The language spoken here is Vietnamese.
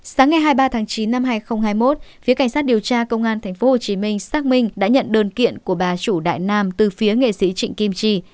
sáng ngày hai mươi ba tháng chín năm hai nghìn hai mươi một phía cảnh sát điều tra công an tp hcm xác minh đã nhận đơn kiện của bà chủ đại nam từ phía nghệ sĩ trịnh kim chi